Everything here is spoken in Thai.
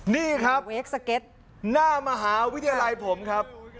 นี่ครับเวคสเก็ตหน้ามหาวิทยาลัยผมครับ